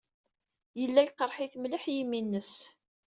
Yella yeqreḥ-it mliḥ yimi-nnes.